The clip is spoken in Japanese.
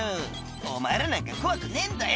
「お前らなんか怖くねえんだよ